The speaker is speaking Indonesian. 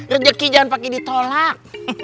rezeki jangan pake ditolak